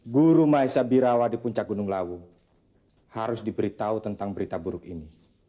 guru maesabirawa di puncak gunung lawu harus diberitahu tentang berita buruk ini